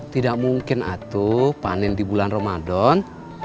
tidak mungkin atuh panen di bulan ramadan